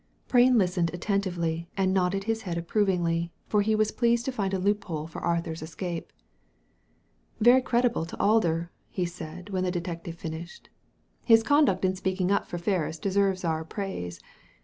Prain listened attentively, and nodded his head approvingly, for he was pleased to find a loophole for Arthur's escape. "Very creditable to Alder," he said, when the detective finished. "His conduct in speaking up for Ferris deserves our praise.